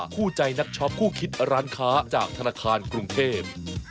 คู่ใจนักช็อปคู่คิดร้านค้าจากธนาคารกรุงเทพ